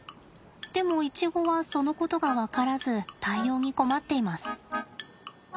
でもイチゴはそのことが分からず対応に困っています。